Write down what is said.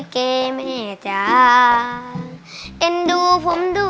ครับ